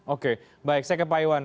oke baik saya ke pak iwan